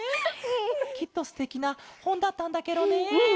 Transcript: きっとすてきなほんだったんだケロね！